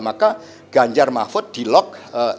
maka ganjar mahfud di lock tujuh belas